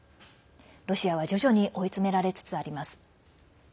ロシアは徐々に追い詰められつつあります。